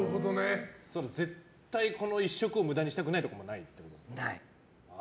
絶対この１食を無駄にしたくないとかもないってことだ。